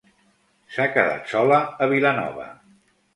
S'ha quedat sola a Vilanova.